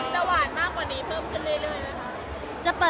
หวานมากกว่านี้เพิ่มขึ้นเรื่อยไหมคะ